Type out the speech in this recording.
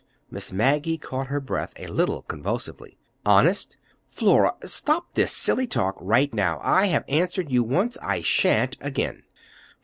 Miss Maggie caught her breath a little convulsively. "Honest?" "Flora! Stop this silly talk right now. I have answered you once. I shan't again."